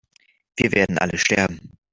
Wir werden alle sterben!